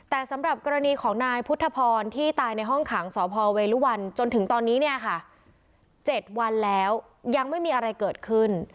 แต่สำหรับกรณีของนายพุทธพรที่ตายในห้องขังสพเวรุวันจนถึงตอนนี้เนี่ยค่ะ๗วันแล้วยังไม่มีอะไรเกิดขึ้น